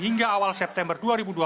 hingga awal september dua ribu dua puluh